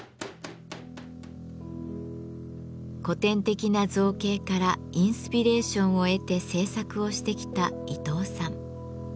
古典的な造形からインスピレーションを得て制作をしてきた伊藤さん。